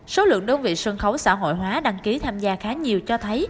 số lượng đơn vị sân khấu xã hội hóa đăng ký tham gia khá nhiều cho thấy